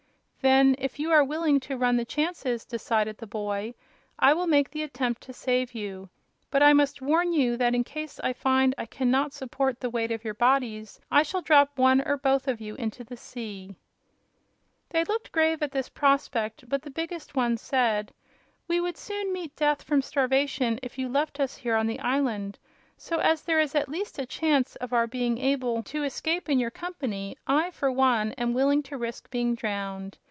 "Then, if you are willing to run the chances," decided the boy, "I will make the attempt to save you. But I must warn you that in case I find I can not support the weight of your bodies I shall drop one or both of you into the sea." They looked grave at this prospect, but the biggest one said: "We would soon meet death from starvation if you left us here on the island; so, as there is at least a chance of our being able to escape in your company I, for one, am willing to risk being drowned.